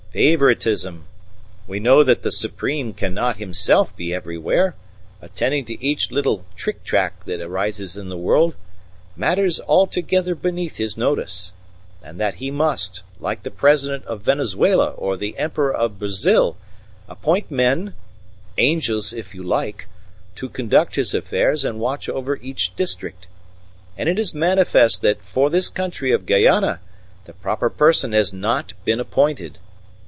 Favoritism. We know that the Supreme cannot Himself be everywhere, attending to each little trick track that arises in the world matters altogether beneath His notice; and that He must, like the President of Venezuela or the Emperor of Brazil, appoint men angels if you like to conduct His affairs and watch over each district. And it is manifest that for this country of Guayana the proper person has not been appointed.